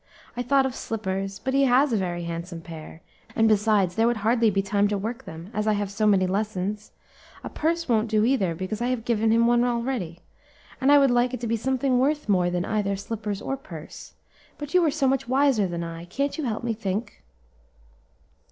I thought of slippers, but he has a very handsome pair, and besides there would hardly be time to work them, as I have so many lessons; a purse won't do either, because I have given him one already, and I would like it to be something worth more than either slippers or purse. But you are so much wiser than I, can't you help me think?"